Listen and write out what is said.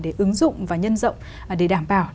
để ứng dụng và nhân rộng để đảm bảo